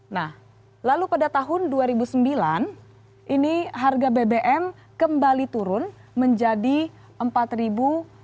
nah lalu pada tahun dua ribu sembilan ini harga bbm kembali turun menjadi rp empat